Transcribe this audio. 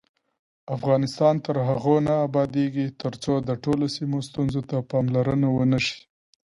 افغانستان تر هغو نه ابادیږي، ترڅو د ټولو سیمو ستونزو ته پاملرنه ونشي.